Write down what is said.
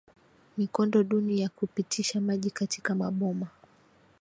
Mikondo duni ya kupitisha maji katika maboma